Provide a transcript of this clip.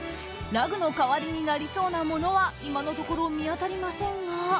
ラグの代わりになりそうなものは今のところ見当たりませんが。